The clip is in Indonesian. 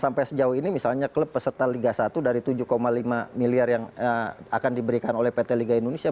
sampai sejauh ini misalnya klub peserta liga satu dari tujuh lima miliar yang akan diberikan oleh pt liga indonesia